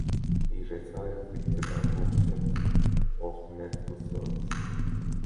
He retired with the rank of captain of the medical service.